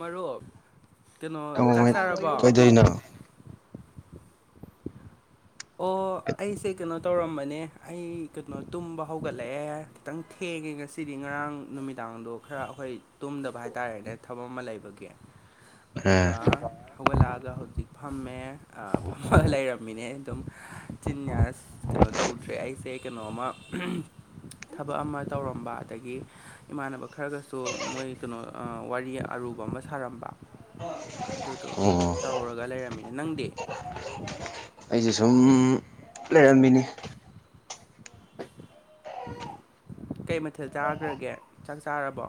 ꯃꯔꯨꯞ ꯀꯩꯅꯣ ꯆꯥꯛ ꯀꯃꯥꯏ ꯆꯥꯔꯕꯣ ꯀꯩꯗꯧꯔꯤꯅꯣ ꯑꯣ ꯑꯩꯁꯦ ꯀꯩꯅꯣ ꯇꯧꯔꯝꯕꯅꯦ ꯑꯩ ꯀꯩꯅꯣ ꯇꯨꯝꯕ ꯍꯧꯒꯠꯂꯛꯑꯦ ꯈꯤꯇꯪ ꯊꯦꯡꯉꯦ ꯉꯁꯤꯗꯤ ꯉꯔꯥꯡ ꯅꯨꯃꯤꯗꯥꯡꯗꯣ ꯈꯔ ꯑꯩꯈꯣꯏ ꯇꯨꯝꯗꯕ ꯍꯥꯏꯇꯥꯔꯦꯅꯦ ꯊꯕꯛ ꯑꯃ ꯂꯩꯕꯒꯤ [inaudible] ꯑꯗꯨꯒ ꯍꯧꯒꯠꯂꯛꯑꯒ ꯍꯧꯖꯤꯛ ꯐꯝꯃꯦ ꯐꯝꯃꯒ ꯂꯩꯔꯝꯃꯤꯅꯦ ꯑꯗꯨꯝ ꯆꯤꯟꯌꯥꯁ ꯀꯩꯅꯣ ꯇꯧꯗ꯭ꯔꯦ ꯑꯩꯁꯦ ꯀꯩꯅꯣꯝꯃ ꯊꯕꯛ ꯑꯃ ꯇꯧꯔꯝꯕ ꯑꯗꯒꯤ ꯏꯃꯥꯟꯅꯕ ꯈꯔꯒꯁꯨ ꯃꯣꯏ ꯀꯩꯅꯣ ꯋꯥꯔꯤ ꯑꯔꯨꯕ ꯑꯃ ꯁꯥꯔꯝꯕ ꯑꯗꯨꯗꯣ ꯑꯣ ꯇꯧꯔꯒ ꯂꯩꯔꯝꯃꯤꯅꯦ ꯅꯪꯗꯤ ꯑꯩꯁꯦ ꯁꯨꯝ ꯂꯩꯔꯝꯃꯤꯅꯤ ꯀꯩ ꯃꯊꯦꯜ ꯆꯥꯈ꯭ꯔꯒꯦ ꯆꯥꯛ ꯆꯥꯔꯕꯣ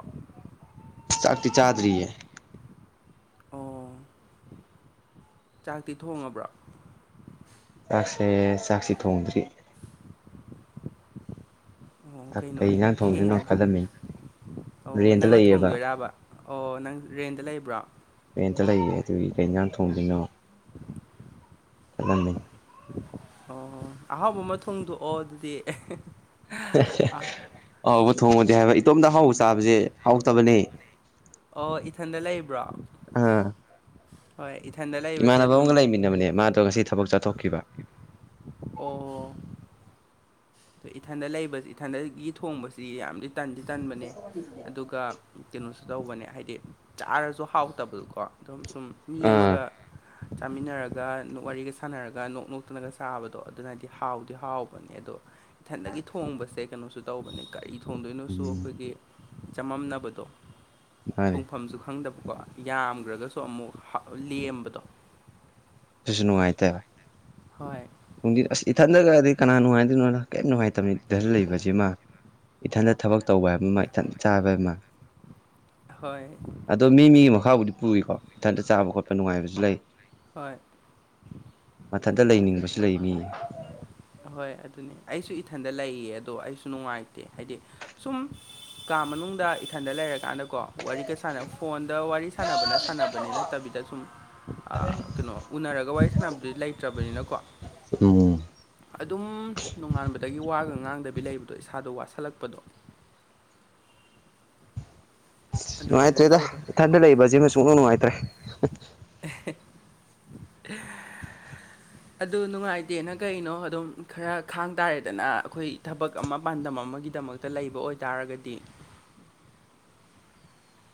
ꯆꯥꯛꯇꯤ ꯆꯥꯗ꯭ꯔꯤꯌꯦ ꯑꯣ ꯆꯥꯛꯇꯤ ꯊꯣꯡꯉꯕ꯭ꯔ‌ꯣ ꯆꯥꯛꯁꯦ ꯆꯥꯛꯁꯦ ꯊꯣꯡꯗ꯭ꯔꯤ ꯑꯣ ꯆꯥꯛ ꯀꯩ ꯀꯩꯅꯣꯅꯦ ꯏꯟꯖꯥꯡ ꯊꯣꯡꯗꯣꯏꯅꯣ ꯊꯦꯡꯉ‍ꯦꯅ‌ꯦ ꯈꯜꯂꯝꯃꯤ ꯑꯣ ꯔꯦꯟꯇ ꯅꯪꯅ ꯂꯩꯌꯦꯕ ꯊꯣꯡꯗꯣꯏꯔꯕ ꯑꯣ ꯅꯪ ꯔꯦꯟꯗ ꯂꯩꯕ꯭ꯔꯣ ꯔ‍ꯦꯟꯇ ꯂꯩꯌꯦ ꯑꯗꯨꯒꯤ ꯀꯩ ꯌꯦꯟꯖꯥꯡ ꯊꯣꯡꯗꯣꯏꯅꯣ ꯈꯜꯂꯝꯃꯤꯅꯤ ꯑꯣ ꯑꯍꯥꯎꯕ ꯑꯃ ꯊꯣꯡꯗꯣꯛꯑꯣ ꯑꯗꯨꯗꯤ ꯑꯍꯥꯎꯕ ꯊꯣꯡꯉ‌ꯣꯗꯤ ꯍꯥꯏꯕ ꯏꯇꯣꯝꯇ ꯑꯍꯥꯎꯕ ꯆꯥꯕꯁꯦ ꯍꯥꯎꯇꯕꯅꯦ ꯑꯣ ꯏꯊꯟꯗ ꯂꯩꯕ꯭ꯔꯣ ꯑꯥ ꯍꯣꯏ ꯏꯊꯦꯟꯗ ꯏꯃꯥꯟꯅꯕ ꯑꯃꯒ ꯂꯩꯃꯤꯟꯅꯕꯅꯦ ꯃꯥꯗꯣ ꯉꯁꯤ ꯊꯕꯛ ꯆꯠꯊꯣꯛꯈꯤꯕ ꯑꯣ ꯏꯊꯟꯗ ꯂꯩꯕꯁꯤ ꯏꯊꯟꯗꯒꯤ ꯊꯣꯡꯕꯁꯤ ꯌꯥꯝꯗꯤ ꯇꯟꯗꯤ ꯇꯟꯕꯅꯦ ꯑꯗꯨꯒ ꯀꯩꯅꯣꯁꯨ ꯇꯧꯕꯅꯦ ꯍꯥꯏꯗꯤ ꯆꯥꯔꯁꯨ ꯍꯥꯎꯇꯕꯗꯀꯣ ꯑꯗꯨꯝ ꯁꯨꯝ ꯃꯤ ꯑꯥ ꯑꯃꯒ ꯆꯥꯃꯤꯟꯅꯔꯒ ꯋꯥꯔꯤꯒ ꯁꯥꯟꯅꯔꯒ ꯅꯣꯛ ꯅꯣꯛꯇꯅꯒ ꯆꯥꯕꯗꯣ ꯑꯗꯨꯅꯗꯤ ꯍꯥꯎꯗꯤ ꯍꯥꯎꯕꯅꯦ ꯑꯗꯣ ꯏꯊꯟꯗꯒꯤ ꯊꯣꯡꯕꯁꯦ ꯀꯩꯅꯣꯁꯨ ꯇꯧꯕꯅꯦ ꯀꯔꯤ ꯊꯣꯡꯗꯣꯏꯅꯣꯁꯨ ꯎꯝ ꯑꯩꯈꯣꯏꯒꯤ ꯆꯃꯝꯅꯕꯗꯣ ꯃꯥꯅꯦ ꯊꯣꯡꯐꯝꯁꯨ ꯈꯪꯗꯕꯀꯣ ꯌꯥꯝꯈ꯭ꯔꯒꯁꯨ ꯑꯃꯨꯛ ꯍꯥ ꯂꯦꯝꯕꯗꯣ ꯁꯤꯁꯨ ꯅꯨꯡꯉꯥꯏꯇꯦ ꯍꯣꯏ ꯅꯨꯡꯊꯤꯟ ꯑꯁ ꯏꯊꯟꯗ ꯈꯗꯤ ꯀꯅꯥ ꯅꯨꯡꯉꯥꯏꯗꯣꯏꯅꯣ ꯀꯩꯝ ꯅꯨꯡꯉꯥꯏꯇꯕꯅꯤ ꯏꯊꯟ ꯂꯩꯕꯁꯤꯃ ꯏꯊꯟꯇ ꯊꯕꯛ ꯇꯧꯕ ꯍꯥꯏꯕ ꯑꯃ ꯏꯊꯟ ꯆꯥꯕ ꯑꯃ ꯍꯣꯏ ꯑꯗꯣ ꯃꯤ ꯃꯤꯒꯤ ꯃꯈꯥꯕꯨꯗꯤ ꯄꯨꯔꯤꯀꯣ ꯏꯊꯟꯇ ꯆꯥꯕ ꯈꯣꯠꯄ ꯅꯨꯡꯉꯥꯏꯕꯁꯨ ꯂꯩ ꯍꯣꯏ ꯃꯊꯟꯇ ꯂꯩꯅꯤꯡꯕꯁꯨ ꯂꯩ ꯃꯤ ꯑꯍꯣꯏ ꯑꯗꯨꯅꯤ ꯑꯩꯁꯨ ꯏꯊꯟꯗ ꯂꯩꯌꯦ ꯑꯗꯣ ꯑꯩꯁꯨ ꯅꯨꯡꯉꯥꯏꯇꯦ ꯍꯥꯏꯗꯤ ꯁꯨꯝ ꯀꯥ ꯃꯅꯨꯡꯗ ꯏꯊꯟꯗ ꯂꯩꯔꯀꯥꯟꯗꯀꯣ ꯋꯥꯔꯤꯒ ꯁꯥꯟꯅ ꯐꯣꯟꯗ ꯋꯥꯔꯤ ꯁꯥꯟꯅꯕꯅ ꯁꯥꯟꯅꯕꯅꯤꯅ ꯅꯠꯇꯕꯤꯗ ꯁꯨꯝ ꯑꯥ ꯀꯩꯅꯣ ꯎꯅꯔꯒ ꯋꯥꯔꯤ ꯁꯥꯟꯅꯕꯗꯨꯗꯤ ꯂꯩꯇ꯭ꯔꯕꯅꯤꯅꯀꯣ ꯑꯗꯨ ꯑꯗꯨꯝ ꯅꯣꯡꯉꯥꯟꯕꯗꯒꯤ ꯋꯥꯒ ꯉꯥꯡꯗꯕꯤ ꯂꯩꯕꯗꯣ ꯏꯁꯥꯗꯣ ꯋꯥꯁꯜꯂꯛꯄꯗꯣ ꯑꯗꯨꯃꯥꯏꯅ ꯅꯨꯡꯉꯥꯏꯇ꯭ꯔꯦꯗ ꯇꯧꯈ꯭ꯔꯦ ꯏꯊꯟꯗ ꯂꯩꯕꯁꯤꯃ ꯁꯨꯡꯅꯨꯡ ꯅꯨꯡꯉꯥꯏꯇ꯭ꯔꯦ [unintelligible] [inaudible] ꯑꯗꯨ ꯅꯨꯡꯉꯥꯏꯇꯦꯅ ꯀꯩꯅꯣ ꯑꯗꯨꯝ ꯈꯔ ꯈꯥꯡ ꯇꯥꯔꯦꯗꯅ ꯑꯩꯈꯣꯏ ꯊꯕꯛ ꯑꯃ ꯄꯥꯟꯗꯝ ꯑꯃꯒꯤꯗꯃꯛꯇ ꯇ ꯂꯩꯕ ꯑꯣꯏꯇꯥꯔꯒꯗꯤ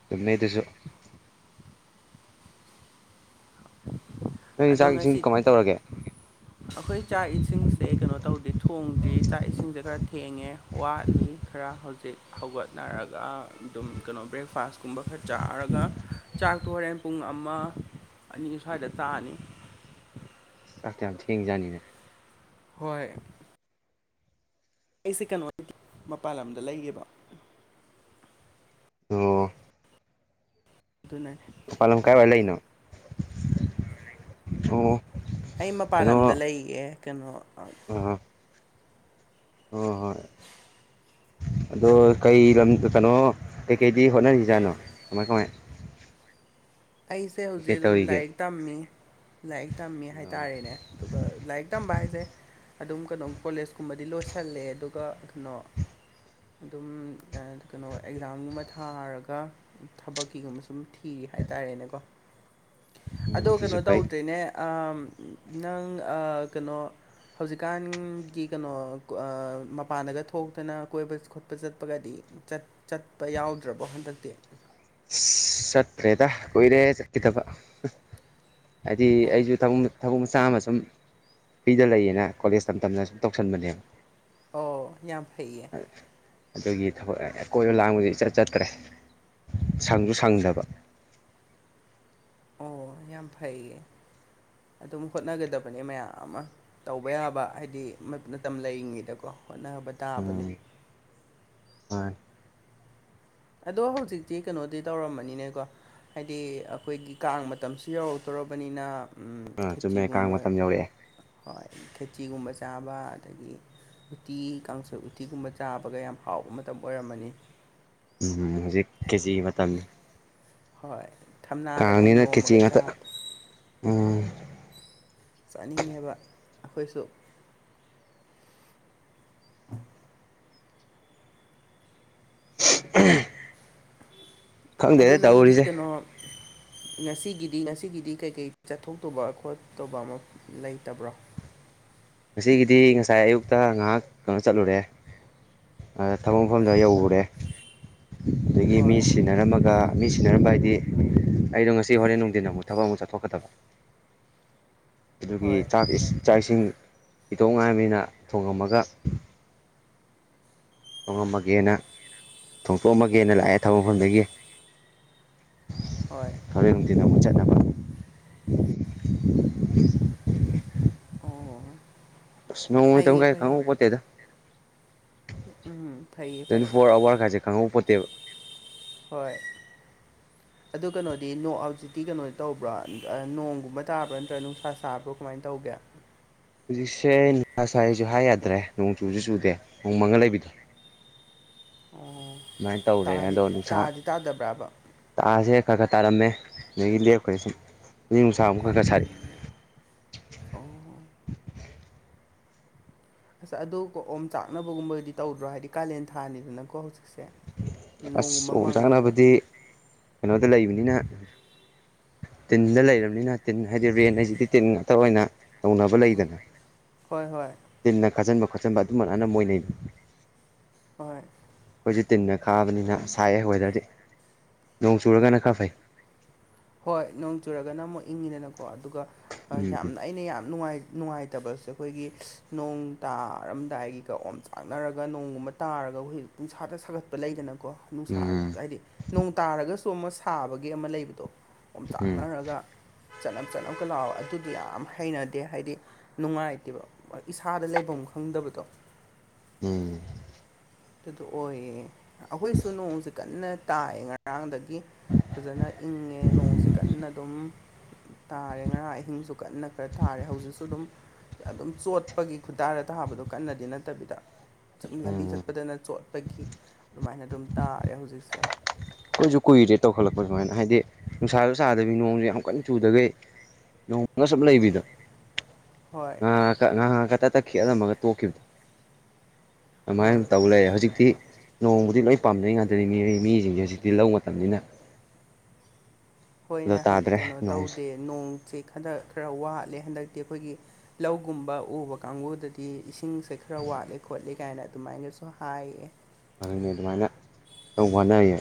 ꯆꯝꯃꯦ ꯑꯗꯨꯁꯨ [inaudible] ꯅꯣꯏ ꯑꯗꯣ ꯆꯥꯛ ꯏꯁꯤꯡ ꯉꯁꯤ ꯀꯃꯥꯏꯅ ꯇꯧꯔꯒꯦ ꯑꯩꯈꯣꯏ ꯆꯥꯛ ꯏꯁꯤꯡꯁꯦ ꯀꯩꯅꯣ ꯇꯧꯗꯦ ꯊꯣꯡꯗ꯭ꯔꯤ ꯆꯥꯛ ꯏꯁꯤꯡꯁꯦ ꯈꯔ ꯊꯦꯡꯉꯦ ꯋꯥꯠꯂꯤ ꯈꯔ ꯍꯧꯖꯤꯛ ꯍꯧꯒꯠꯅꯔꯒ ꯑꯗꯨꯝ ꯀꯩꯅꯣ ꯕ꯭ꯔꯦꯛꯐꯥꯁ ꯒꯨꯝꯕ ꯈꯔ ꯆꯥꯔꯒ ꯆꯥꯛꯇꯣ ꯍꯣꯔꯦꯟ ꯄꯨꯡ ꯑꯃ ꯑꯅꯤ ꯁ꯭ꯋꯥꯏꯗ ꯇꯥꯅꯤ ꯆꯥꯛꯇꯣ ꯌꯥꯝ ꯊꯦꯡꯉꯤꯖꯥꯠꯅꯤꯅꯦ ꯍꯣꯏ ꯑꯩꯁꯦ ꯀꯩꯅꯣ ꯃꯄꯥꯟ ꯂꯝꯗ ꯂꯩꯌꯦꯕ ꯑꯣ ꯑꯗꯨꯅ ꯃꯄꯥꯥꯟꯂꯝ ꯀꯥꯏꯋꯥꯏ ꯂꯩꯔꯤꯅꯣ ꯑꯩ ꯃꯄꯥꯟ ꯂꯝꯗ ꯀꯩꯅꯣ ꯂꯩꯌꯦ ꯀꯩꯅꯣ ꯑꯥ ꯍꯣꯏ ꯍꯣꯏ ꯑꯗꯣ ꯀꯩ ꯂꯝꯗ ꯀꯩꯅꯣ ꯀꯩ ꯀꯩꯗꯤ ꯍꯣꯠꯅꯔꯤꯖꯥꯠꯅꯣ ꯀꯃꯥꯏ ꯀꯃꯥꯏ ꯑꯩꯁꯦ ꯀꯩꯀꯩ ꯍꯧꯖꯤꯛ ꯑꯗꯨꯝ ꯇꯧꯔꯤꯒꯦ ꯂꯥꯏꯔꯤꯛ ꯇꯝꯃꯤ ꯂꯥꯏꯔꯤꯛ ꯇꯝꯃꯤ ꯑꯣ ꯍꯥꯏꯇꯥꯔꯦꯅꯦ ꯑꯗꯨꯒ ꯂꯥꯏꯔꯤꯛ ꯇꯝꯕꯥ ꯍꯥꯏꯁꯦ ꯑꯗꯨꯝ ꯀꯩꯅꯣ ꯀꯣꯂꯦꯖ ꯀꯨꯝꯕꯗꯤ ꯂꯣꯏꯁꯜꯂꯦ ꯑꯗꯨꯒ ꯀꯩꯅꯣ ꯑꯗꯨꯝ ꯑ ꯀꯩꯅꯣ ꯑꯦꯛꯖꯥꯝꯒꯨꯝꯕ ꯊꯥꯔꯒ ꯊꯕꯛꯀꯤꯒꯨꯝꯕ ꯁꯨꯝ ꯊꯤꯔꯤ ꯍꯥꯏꯇꯥꯔꯦꯅꯦꯀꯣ ꯑꯗꯣ ꯀꯩꯅꯣ ꯑꯗꯨꯁꯨ ꯐꯩ ꯇꯧꯗꯔꯤꯅꯦ ꯑꯥ ꯅꯪ ꯑ ꯀꯩꯅꯣ ꯍꯧꯖꯤꯛꯀꯥꯟꯒꯤ ꯀꯩꯅꯣ ꯑ ꯃꯄꯥꯟꯗꯒ ꯊꯣꯛꯇꯅ ꯀꯣꯏꯕ ꯈꯣꯠꯄ ꯆꯠꯄꯒꯗꯤ ꯆꯠ ꯆꯠꯄ ꯌꯥꯎꯗ꯭ꯔꯕꯣ ꯍꯟꯗꯛꯇꯤ ꯑꯁ ꯆꯠꯇ꯭ꯔꯦꯗ ꯀꯨꯏꯔꯦ ꯆꯠꯈꯤꯗꯕ ꯍꯥꯏꯗꯤ ꯑꯣ ꯑꯩꯁꯨ ꯊꯃꯣꯏ ꯊꯕꯛ ꯃꯆꯥ ꯑꯃ ꯁꯨꯝ ꯐ꯭ꯔꯤꯗ ꯂꯩꯌꯦꯅ ꯀꯣꯂꯦꯖ ꯇꯝ ꯇꯝꯅ ꯁꯨꯝ ꯇꯧꯁꯟꯕꯅꯦꯕ ꯑꯣ ꯌꯥꯝ ꯐꯩꯌꯦ ꯑꯗꯨꯒꯤ ꯊꯕꯛ ꯑꯀꯣꯏꯕ ꯂꯥꯡꯕꯗꯤ ꯏꯆꯠ ꯆꯠꯇ꯭ꯔꯦ ꯁꯪꯁꯨ ꯁꯪꯗꯔꯕ ꯑꯣ ꯌꯥꯝ ꯐꯩꯌꯦ ꯑꯗꯨꯝ ꯍꯣꯠꯅꯒꯗꯕꯅꯦ ꯃꯌꯥꯝ ꯑꯃ ꯇꯧꯕ ꯌꯥꯕ ꯍꯥꯏꯗꯤ ꯃꯇꯝ ꯂꯩꯔꯤꯉꯩꯗꯀꯣ ꯍꯣꯠꯅꯕ ꯇꯥꯕꯅꯦ ꯎꯝ ꯑꯥ ꯑꯗꯣ ꯍꯧꯖꯤꯛꯇꯤ ꯀꯩꯅꯣꯗꯤ ꯇꯧꯔꯝꯃꯅꯤꯅꯦꯀꯣ ꯍꯥꯏꯗꯤ ꯑꯩꯈꯣꯏꯒꯤ ꯀꯥꯡ ꯃꯇꯝꯁꯨ ꯌꯧꯔꯛꯇꯣꯔꯕꯅꯤꯅ ꯆꯨꯝꯃꯦ ꯊꯦꯆꯤꯒꯨꯝꯕ ꯀꯥꯡ ꯃꯇꯝ ꯌꯧꯔꯛꯑꯦ ꯍꯣꯏ ꯊꯦꯆꯤꯒꯨꯝꯕ ꯆꯥꯕ ꯑꯗꯒꯤ ꯎꯇꯤ ꯀꯥꯡꯁꯣꯏ ꯎꯇꯤꯒꯨꯝꯕ ꯆꯥꯕꯒ ꯌꯥꯝ ꯍꯥꯎꯕ ꯃꯇꯝ ꯑꯣꯏꯔꯝꯃꯅꯤ ꯎꯝ ꯍꯧꯖꯤꯛ ꯈꯦꯆꯤ ꯃꯇꯝꯅꯦ ꯍꯣꯏ ꯊꯝꯅꯥꯗꯒ ꯀꯥꯡꯅꯤꯅ ꯌꯣꯝꯃꯒ ꯈꯦꯆꯤ ꯆꯥ ꯉꯥꯛꯇ ꯎꯝ ꯆꯥꯅꯤꯡꯉꯦꯕ ꯑꯩꯈꯣꯏꯁꯨ [inaudible] ꯎꯝ ꯑꯗꯣ ꯅꯪꯗꯤ ꯀꯩꯅꯣ ꯉꯁꯤꯒꯤꯗꯤ ꯉꯁꯤꯒꯤꯗꯤ ꯀꯩꯀꯩ ꯆꯠꯊꯣꯛꯇꯕ ꯈꯣꯠꯇꯕ ꯑꯃ ꯂꯩꯇꯕ꯭ꯔꯣ ꯉꯁꯤꯒꯤꯗꯤ ꯉꯁꯥꯏ ꯑꯌꯨꯛꯇ ꯉꯥꯏꯍꯥꯛ ꯀꯩꯅꯣ ꯆꯠꯂꯨꯔꯦ ꯑ ꯊꯕꯛ ꯃꯐꯝꯗ ꯌꯧꯔꯨꯔꯦ ꯑꯗꯒꯤ ꯃꯤ ꯍꯣꯏ ꯁꯤꯟꯅꯔꯝꯃꯒ ꯃꯤ ꯁꯤꯟꯅꯔꯝꯕ ꯍꯥꯏꯗꯤ ꯑꯩꯗꯣ ꯉꯁꯤ ꯍꯣꯔꯦꯟ ꯅꯨꯡꯊꯤꯟ ꯑꯃꯨꯛ ꯊꯕꯛ ꯑꯃꯨꯛ ꯆꯠꯊꯣꯛꯀꯗꯕ ꯑꯗꯨꯒꯤ ꯍꯣꯏ ꯆꯥꯛ ꯆꯥꯛ ꯏꯁꯤꯡ ꯄꯤꯊꯣꯛꯉꯥꯏꯕꯅꯤꯅ ꯊꯣꯡꯉꯝꯃꯒ ꯊꯣꯡꯉꯝꯃꯒꯦꯅ ꯊꯣꯡꯇꯣꯛꯑꯝꯃꯒꯦꯅ ꯂꯥꯛꯑꯦ ꯊꯕꯛ ꯃꯐꯝꯗꯒꯤ [inaudible] ꯍꯣꯏ ꯊꯣꯔꯦꯟꯗꯤꯅ ꯑꯃꯨꯛ ꯆꯠꯅꯕ ꯑꯣ [unintelligible] ꯐꯩꯌꯦ ꯀꯥꯏ ꯐꯩꯌꯦ ꯈꯥꯎ ꯄꯣꯠꯇꯗ ꯎꯝ ꯐꯩꯌꯦ ꯇ꯭ꯋꯦꯟꯇꯤ ꯐꯩꯌꯦ ꯐꯣꯔ ꯑꯋꯥꯔꯒꯥꯏꯁꯦ ꯈꯪꯍꯧꯕꯄꯣꯠꯇꯦꯕ ꯍꯣꯏ [inaudible] ꯑꯗꯨ ꯀꯩꯅꯣꯗꯤ [unintelligible] ꯍꯧꯖꯤꯛꯇꯤ ꯀꯩꯅꯣ ꯇꯧꯕ꯭ꯔꯣ ꯅꯣꯡꯒꯨꯝꯕ ꯇꯥꯕ꯭ꯔꯥ ꯅꯠꯇ꯭ꯔꯒ ꯅꯨꯡꯁꯥ ꯁꯥꯕ꯭ꯔꯣ ꯀꯃꯥꯏꯅ ꯇꯧꯒꯦ ꯍꯧꯖꯤꯛꯁꯦ ꯁꯥꯏꯁꯨ ꯍꯥꯏ ꯌꯥꯗ꯭ꯔꯦ ꯅꯣꯡ ꯆꯨꯁꯨ ꯆꯨꯗꯦ ꯅꯣꯡ ꯃꯪꯉꯥ ꯂꯩꯕꯗꯣ ꯑꯣ ꯑꯗꯨꯃꯥꯏꯅ ꯇꯧꯔꯦ ꯇꯥꯔꯤ ꯑꯗꯣ ꯅꯨꯡꯁꯥ ꯇꯥꯗꯤ ꯇꯥꯗꯕ꯭ꯔꯥꯕ ꯇꯥꯁꯦ ꯈꯔ ꯈꯔ ꯇꯥꯔꯝꯃꯦ ꯑꯗꯒꯤ ꯂꯦꯞꯈ꯭ꯔꯁꯦ ꯁꯨꯝ ꯌꯦ ꯅꯨꯡꯁꯥ ꯑꯃꯨꯛ ꯈꯔ ꯈꯔ ꯁꯥꯔ ꯑꯣ ꯑꯁ ꯑꯗꯨ ꯀ ꯑꯣꯝ ꯆꯥꯛꯅꯕꯒꯨꯝꯕꯗꯤ ꯇꯧꯗ꯭ꯔꯣ ꯍꯥꯏꯗꯤ ꯀꯥꯂꯦꯟ ꯊꯥꯅꯤꯗꯅꯀꯣ ꯍꯧꯖꯤꯛꯁꯦ ꯑꯁ ꯅꯣꯡꯒꯨꯝꯕ ꯑꯣꯝ ꯃꯪꯉꯒ ꯆꯥꯅꯕꯗꯤ ꯀꯩꯅꯣꯗ ꯂꯩꯕꯅꯤꯅ ꯇꯤꯟꯗ ꯂꯩꯔꯕꯅꯤꯅ ꯇꯤꯟ ꯍꯥꯏꯗꯤ ꯔꯦꯟ ꯍꯥꯏꯁꯤꯗꯤ ꯇꯤꯟ ꯉꯥꯛꯇ ꯑꯣꯏꯅ ꯇꯧꯅꯕ ꯂꯩꯗꯅ ꯍꯣꯏ ꯍꯣꯏ ꯇꯤꯟꯅ ꯈꯥꯖꯤꯟ ꯕ ꯈꯣꯠꯆꯟꯕ ꯑꯗꯨꯃꯛꯅ ꯃꯣꯏꯅꯩ ꯍꯣꯏ ꯑꯩꯈꯣꯏꯁꯨ ꯇꯤꯟꯅ ꯈꯥꯕꯅꯤꯅ ꯁꯥꯏꯑꯦ ꯋꯦꯗꯔꯗꯤ ꯅꯣꯡ ꯆꯨꯔꯒꯅ ꯈꯔ ꯐꯩ ꯍꯣꯏ ꯅꯣꯡ ꯆꯨꯔꯒꯅ ꯑꯃꯨꯛ ꯏꯪꯉꯤꯗꯅꯀꯣ ꯑꯗꯨꯒ ꯎꯝ ꯌꯥꯝꯅ ꯑꯩꯅ ꯌꯥꯝ ꯅꯨꯡꯉꯥꯏ ꯅꯨꯡꯉꯥꯏꯇꯕꯁꯦ ꯑꯩꯈꯣꯏꯒꯤ ꯅꯣꯡ ꯇꯥꯔꯝꯗꯥꯏꯒꯤ ꯀ ꯑꯣꯝ ꯆꯥꯛꯅꯔꯒ ꯅꯣꯡꯒꯨꯝꯕ ꯇꯥꯔꯒ [unintelligible] ꯎꯟꯁꯥꯗ ꯁꯥꯒꯠꯄ ꯂꯩꯗꯅꯀꯣ ꯅꯨꯡꯁꯥ ꯎꯝ ꯍꯥꯏꯗꯤ ꯅꯣꯡ ꯇꯥꯔꯒꯁꯨ ꯑꯃ ꯁꯥꯕꯒꯤ ꯑꯃ ꯂꯩꯕꯗꯣ ꯎꯝ ꯄꯣꯝꯇꯥꯛꯅꯔꯒ ꯆꯅꯝ ꯆꯅꯝꯀ ꯂꯥꯎ ꯑꯗꯨꯗꯤ ꯌꯥꯝ ꯍꯩꯅꯗꯦ ꯍꯥꯏꯗꯤ ꯅꯨꯡꯉꯥꯏꯇꯦꯕ ꯏꯁꯥꯗ ꯂꯩꯐꯝ ꯈꯪꯗꯕꯗꯣ ꯎꯝ ꯑꯗꯨꯗ ꯑꯣꯏꯌꯦ ꯑꯩꯈꯣꯏꯁꯨ ꯅꯣꯡꯁꯦ ꯀꯟꯅ ꯇꯥꯏꯑ ꯉꯔꯥꯡꯗꯒꯤ ꯐꯖꯅ ꯏꯪꯉꯦ ꯅꯣꯡꯁꯦ ꯀꯟꯅ ꯑꯗꯨꯝ ꯇꯥꯔꯦ ꯉꯔꯥꯡ ꯑꯍꯤꯡꯁꯨ ꯀꯟꯅ ꯈꯔ ꯇꯥꯔꯦ ꯍꯧꯖꯤꯛꯁꯨ ꯑꯗꯨꯝ ꯑꯗꯨꯝ ꯆꯣꯠꯄꯒꯤ ꯈꯨꯗꯥꯔ ꯊꯥꯕꯗꯣ ꯀꯟꯅꯗꯤ ꯅꯠꯇꯕꯤꯗ ꯁꯨꯝ ꯂꯝꯕꯤ ꯎꯝ ꯆꯠꯄꯗꯅ ꯆꯣꯠꯄꯒꯤ ꯑꯗꯨꯃꯥꯏꯅ ꯑꯗꯨꯝ ꯇꯥꯔꯦ ꯍꯧꯖꯤꯛꯁꯦ ꯑꯩꯈꯣꯏꯁꯨ ꯀꯨꯏꯔꯦ ꯇꯧꯈꯠꯂꯛꯄ ꯁꯨꯃꯥꯏꯅ ꯍꯥꯏꯗꯤ ꯅꯨꯡꯁꯥꯁꯨ ꯆꯥꯗꯕꯤ ꯅꯣꯡꯁꯨ ꯌꯥꯝ ꯀꯟꯅ ꯆꯨꯗꯈꯩ ꯅꯣꯡ ꯅꯪ ꯁꯞ ꯂꯩꯕꯤꯗꯣ ꯍꯣꯏ ꯉꯍ ꯉꯥꯏꯍꯀ ꯇ ꯇꯛꯈꯤ ꯑꯔꯝꯃꯒ ꯇꯣꯛꯈꯤꯕꯗꯣ ꯍꯣꯏ ꯑꯗꯨꯃꯥꯏꯅ ꯇꯧ ꯂꯩꯔꯦ ꯍꯧꯖꯤꯛꯇꯤ ꯅꯣꯡꯃꯕꯨꯗꯤ ꯂꯣꯏ ꯄꯥꯝꯅꯩ ꯉꯥꯛꯇꯅꯤ ꯃꯤ ꯃꯤꯁꯤꯡꯁꯦ ꯍꯧꯖꯤꯛꯇꯤ ꯂꯧ ꯃꯇꯝꯅꯤꯅ ꯑꯩꯈꯣꯏꯅ ꯑꯗꯣ ꯇꯥꯗ꯭ꯔꯦ ꯀꯩꯅꯣ ꯅꯣꯡꯁꯦ ꯇꯧꯗꯦ ꯅꯣꯡꯁꯦ ꯈꯟꯗ ꯈꯔ ꯋꯥꯠꯂꯦ ꯍꯟꯗꯛꯇꯤ ꯑꯩꯈꯣꯏꯒꯤ ꯂꯧꯒꯨꯝꯕ ꯎꯕ ꯀꯥꯡꯕꯨꯗ ꯗꯤ ꯏꯁꯤꯡꯁꯦ ꯈꯔ ꯋꯥꯠꯂꯤ ꯈꯣꯠꯂꯤ ꯀꯥꯏꯅ ꯑꯗꯨꯃꯥꯏꯅꯁꯨ ꯍꯥꯏꯌꯦ ꯑꯅꯦ ꯑꯗꯨꯃꯥꯏꯅ ꯇꯧꯕꯧꯕꯅ ꯍꯥꯏꯌꯦ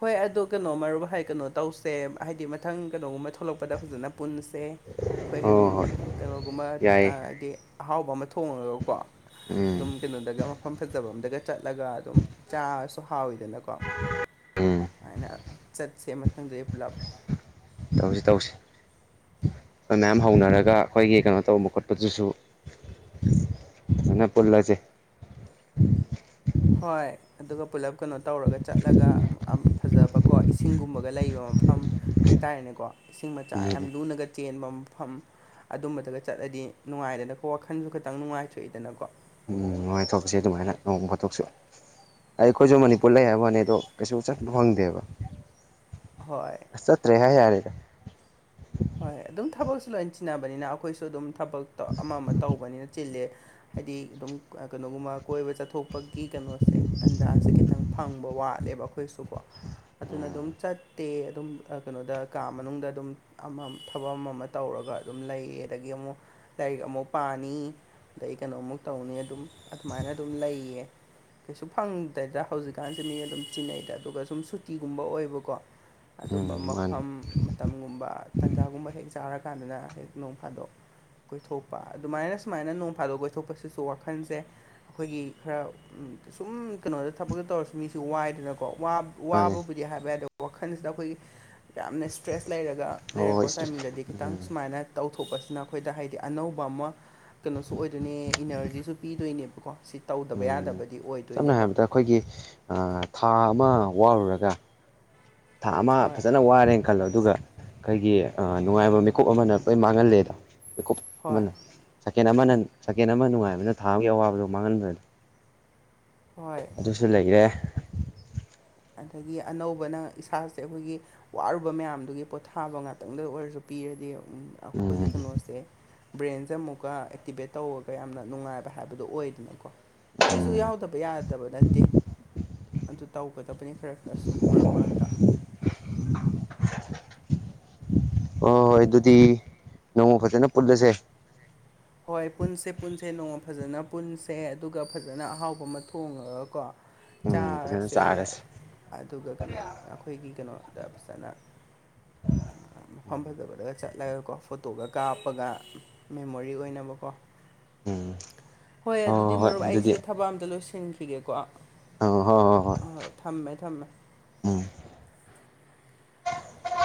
ꯍꯣꯏ ꯑꯗꯣ ꯀꯩꯅꯣ ꯃꯔꯨꯏ ꯀꯩꯅꯣ ꯇꯧꯁꯦ ꯍꯥꯏꯗꯤ ꯃꯊꯪ ꯀꯩꯅꯣꯒꯨꯝꯕ ꯊꯣꯛꯂꯛꯄ ꯄꯗ ꯐꯖꯅ ꯄꯨꯟꯁꯦ ꯑꯩꯈꯣꯏꯒ ꯑꯗꯨꯝ ꯍꯣꯏ ꯍꯣꯏ ꯀꯩꯅꯣꯒꯨꯝꯕ ꯌꯥꯏꯌꯦ ꯍꯥꯏꯗꯤ ꯑꯍꯥꯎꯕ ꯑꯃ ꯊꯣꯡꯉꯒꯀꯣ ꯎꯝ ꯑꯗꯨꯝ ꯀꯩꯅꯣꯗꯒ ꯃꯐꯝ ꯐꯖꯕ ꯑꯝꯗꯒ ꯆꯠꯂꯒ ꯑꯗꯨꯝ ꯆꯥꯔꯁꯨ ꯍꯥꯎꯋꯤꯗꯅꯀꯣ ꯎꯝ ꯍꯥꯏꯅ ꯆꯠꯁꯦ ꯃꯪꯗꯦ ꯄꯨꯂꯞ ꯇꯧꯁꯤ ꯇꯧꯁꯤ ꯑꯩꯈꯣꯏ ꯃꯌꯥꯝ ꯍꯧꯅꯔꯒ ꯑꯩꯈꯣꯏꯒꯤ ꯀꯩꯅꯣ ꯇꯧꯕ ꯈꯣꯠꯄꯗꯨꯁꯨ ꯑ ꯄꯨꯣꯜꯂꯁꯦ ꯍꯣꯏ ꯑꯗꯨꯒ ꯄꯨꯂꯞ ꯀꯩꯅꯣ ꯇꯧꯔꯒ ꯆꯠꯂꯒ ꯐꯖꯕ ꯀꯣ ꯏꯁꯤꯡꯒꯨꯝꯕꯒ ꯂꯩꯕ ꯃꯐꯝ ꯍꯥꯏ ꯇꯔꯦꯅꯦꯀꯣ ꯏꯁꯤꯡ ꯃꯆꯥ ꯌꯥꯝ ꯎꯝ ꯂꯨꯅꯒ ꯆꯦꯟꯕ ꯃꯐꯝ ꯑꯗꯨꯝꯕꯗꯒ ꯆꯠꯂꯗꯤ ꯅꯨꯡꯉꯥꯏꯗꯅꯀꯣ ꯋꯥꯈꯟꯁꯨ ꯈꯤꯇꯪ ꯅꯨꯡꯉꯥꯏꯊꯣꯛꯏꯗꯅꯀꯣ ꯎꯝ ꯍꯥꯏ ꯊꯣꯛꯁ ꯑꯗꯨꯃꯥꯏꯅ ꯅꯣꯡ ꯐꯣꯠꯇꯣꯛꯁꯨ ꯑꯩꯈꯣꯏꯁꯨ ꯃꯅꯤꯄꯨꯔ ꯂꯩ ꯍꯥꯏꯕꯅꯤ ꯑꯗꯣ ꯀꯩꯁꯨ ꯆꯠꯄ ꯐꯪꯗꯦꯕ ꯍꯣꯏ ꯑ ꯇ꯭ꯔꯦ ꯍꯖꯔꯦ ꯍꯣꯏ ꯑꯗꯨꯝ ꯊꯕꯛꯁꯨ ꯂꯣꯏ ꯆꯤꯟꯅꯕꯅꯤꯅ ꯑꯩꯈꯣꯏꯁꯨ ꯑꯗꯨꯝ ꯊꯕꯛꯇ ꯑꯃ ꯑꯃ ꯇꯧꯕꯅꯤꯅ ꯆꯤꯂꯦ ꯍꯥꯏꯗꯤ ꯑꯗꯨꯝ ꯀꯩꯅꯣꯒꯨꯝꯕ ꯀꯣꯏꯕ ꯆꯠꯊꯣꯛꯄꯒꯤ ꯀꯩꯅꯣꯁꯦ ꯇꯥꯟꯖꯥꯁꯦ ꯈꯤꯇꯪ ꯐꯪꯕ ꯋꯥꯠꯂꯦꯕ ꯑꯩꯈꯣꯏꯁꯨꯀꯣ ꯑꯗꯨꯅ ꯑꯗꯨꯝ ꯆꯠꯇꯦ ꯑꯗꯨꯝ ꯀꯩꯅꯣꯗ ꯀꯥ ꯃꯅꯨꯡꯗ ꯑꯗꯨꯝ ꯑꯃ ꯊꯕꯛ ꯑꯃ ꯑꯃ ꯇꯧꯔꯒ ꯑꯗꯨꯝ ꯂꯩꯌꯦ ꯑꯗꯒꯤ ꯑꯃꯨꯛ ꯂꯥꯏꯔꯤꯛ ꯑꯃꯨꯛ ꯄꯥꯅꯤ ꯑꯗꯩ ꯀꯩꯅꯣꯃꯨꯛ ꯇꯧꯅꯤ ꯑꯗꯨꯝ ꯑꯗꯨꯃꯥꯏꯅ ꯑꯗꯨꯝ ꯂꯩꯌꯦ ꯀꯩꯁꯨ ꯐꯪꯗꯦꯗ ꯍꯧꯖꯤꯛꯀꯥꯟꯁꯦ ꯃꯤ ꯑꯗꯨꯝ ꯆꯤꯟꯅꯩꯗ ꯑꯗꯨꯒ ꯁꯨꯝ ꯁꯨꯇꯤꯒꯨꯝꯕ ꯑꯣꯏꯕꯀꯣ ꯑꯗꯨꯝꯕ ꯎꯝ ꯃꯥꯅꯤ ꯃꯐꯝ ꯃꯇꯝꯒꯨꯝꯕ ꯇꯟꯖꯥꯒꯨꯝꯕ ꯍꯦꯛ ꯆꯥꯔꯀꯥꯟꯗꯅ ꯍꯦꯛ ꯅꯣꯡ ꯐꯥꯗꯣꯛ ꯀꯣꯏꯊꯣꯛꯄ ꯑꯗꯨꯃꯥꯏꯅ ꯁꯨꯃꯥꯏꯅ ꯅꯣꯡ ꯐꯥꯗꯣꯛ ꯀꯣꯏꯊꯣꯛꯄꯁꯤꯁꯨ ꯋꯥꯈꯜꯁꯦ ꯑꯩꯈꯣꯏꯒꯤ ꯈꯔ ꯁꯨꯝ ꯀꯩꯅꯣꯗ ꯊꯕꯛꯇ ꯇꯧꯔꯁꯨ ꯃꯤꯁꯤ ꯋꯥꯏꯗꯅꯀꯣ ꯃꯥꯅꯤ ꯋꯥꯕꯕꯨꯗꯤ ꯍꯥꯏꯕ ꯌꯥꯗꯣ ꯋꯥꯈꯜꯁꯤꯗ ꯑꯩꯈꯣꯏꯒꯤ ꯌꯥꯝꯅ ꯁ꯭ꯇ꯭ꯔꯦꯁ ꯂꯩꯔꯒ ꯍꯣꯏ ꯍꯣꯏ ꯂꯩꯔꯛꯄ ꯇꯥꯏꯃꯤꯡꯗꯗꯤ ꯈꯤꯇꯪ ꯎꯝ ꯁꯨꯃꯥꯏꯅ ꯇꯧꯊꯣꯛꯄꯁꯤꯅ ꯑꯩꯈꯣꯏꯗ ꯍꯥꯏꯗꯤ ꯑꯅꯧꯕ ꯑꯃ ꯀꯩꯅꯣꯁꯨ ꯑꯣꯏꯗꯣꯏꯅꯦ ꯏꯅꯔꯖꯤꯁꯨ ꯄꯤꯗꯣꯏꯅꯦꯕꯀꯣ ꯁꯤ ꯇꯧꯗꯕ ꯎꯝ ꯌꯥꯗꯕꯗꯤ ꯁꯝꯅ ꯑꯣꯏꯗꯣꯏꯅꯦꯕ ꯍꯥꯏꯔꯕꯗ ꯑꯩꯈꯣꯏꯒꯤ ꯊꯥ ꯑꯃ ꯋꯥꯔꯨꯔꯒ ꯊꯥ ꯑꯃ ꯍꯣꯏ ꯐꯖꯅ ꯋꯥꯔꯦꯅ ꯈꯜꯂꯣ ꯑꯗꯨꯒ ꯑꯩꯈꯣꯏꯒꯤ ꯅꯨꯡꯉꯥꯏꯕ ꯃꯤꯀꯨꯞ ꯑꯃꯅ ꯂꯣꯏ ꯃꯥꯡꯍꯜꯂꯦꯗ ꯃꯤꯀꯨꯞ ꯍꯣꯏ ꯑꯃꯅ ꯁꯦꯀꯦꯟ ꯑꯃꯅ ꯁꯦꯀꯦꯟ ꯑꯃ ꯅꯨꯡꯉꯥꯏꯕꯅꯤꯅ ꯊꯥꯕꯒꯤ ꯑꯋꯥꯕꯗꯣ ꯃꯥꯡꯍꯟꯗ꯭ꯔꯅꯤ ꯍꯣꯏ ꯑꯗꯨꯁꯨ ꯂꯩꯈꯔꯦ ꯑꯗꯒꯤ ꯑꯅꯧꯕꯅ ꯏꯁꯥꯁꯦ ꯑꯩꯈꯣꯏꯒꯤ ꯋꯥꯔꯨꯕ ꯃꯌꯥꯝꯗꯨꯒꯤ ꯄꯣꯊꯥꯕ ꯉꯥꯛꯇꯪꯗ ꯑꯣꯏꯔꯁꯨ ꯄꯤꯔꯗꯤ ꯑꯩꯈꯣꯏꯒꯤ ꯎꯝ ꯀꯩꯅꯣꯁꯦ ꯕ꯭ꯔꯦꯟꯁꯦ ꯑꯃꯨꯛꯀ ꯑꯦꯛꯇꯤꯚꯦꯠ ꯇꯧꯔꯒ ꯌꯥꯝꯅ ꯅꯨꯡꯉꯥꯏꯕ ꯍꯥꯏꯕꯗꯣ ꯑꯣꯏꯗꯅꯀꯣ ꯁꯤꯁꯨ ꯎꯝ ꯌꯥꯎꯗꯕ ꯌꯥꯗꯕ ꯅꯠꯇꯦ ꯑꯗꯨ ꯇꯧꯒꯗꯕ ꯐꯐꯁꯨ ꯃꯥꯃꯇ [inaudible] ꯍꯣ ꯍꯣꯏ ꯑꯗꯨꯗꯤ ꯅꯣꯡꯃ ꯐꯖꯅ ꯄꯨꯜꯂꯁꯦ ꯍꯣꯏ ꯄꯨꯟꯁꯦ ꯄꯨꯟꯁꯦ ꯅꯣꯡꯃ ꯐꯖꯅ ꯄꯨꯟꯁꯦ ꯑꯗꯨꯒ ꯐꯖꯅ ꯑꯍꯥꯎꯕ ꯑꯃ ꯊꯣꯡꯉꯒꯀꯣ ꯎꯝ ꯐꯖꯅ ꯆꯥꯔꯁꯦ ꯆꯥꯔꯁꯦ ꯑꯗꯨꯒ ꯀꯩꯅꯣ ꯑꯩꯈꯣꯏꯒꯤ ꯀꯩꯅꯣꯗ ꯐꯖꯅ [inaudible] ꯃꯐꯝ ꯐꯖꯕꯗꯒ ꯆꯠꯂꯒꯀꯣ ꯐꯣꯇꯣꯒ ꯀꯥꯞꯄꯒ ꯃꯦꯃꯣꯔꯤ ꯑꯣꯏꯅꯕ ꯀꯣ ꯎꯝ ꯍꯣꯏ ꯑꯗꯨꯗꯤ ꯃꯔꯨꯞ ꯑꯩꯁꯤꯗ ꯊꯕꯛ ꯑꯝꯇ ꯂꯣꯏꯁꯟꯈꯤꯒꯦꯀꯣ ꯑ ꯍꯣꯏ ꯍꯣꯏ ꯍꯣꯏ ꯑꯣꯏ ꯊꯝꯃꯦ ꯊꯝꯃꯦ ꯎꯝ [unintelligible]